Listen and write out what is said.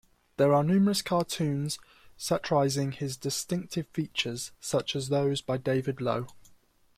There are numerous cartoons satirising his distinctive features, such as those by David Low.